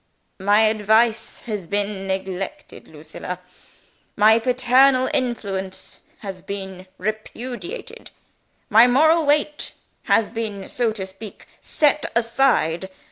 "My advice has been neglected, Lucilla. My paternal influence has been repudiated. My Moral Weight has been, so to speak, set aside.